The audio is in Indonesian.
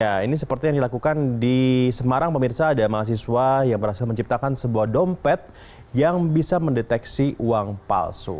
ya ini seperti yang dilakukan di semarang pemirsa ada mahasiswa yang berhasil menciptakan sebuah dompet yang bisa mendeteksi uang palsu